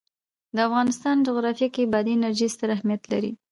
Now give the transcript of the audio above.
د افغانستان جغرافیه کې بادي انرژي ستر اهمیت لري.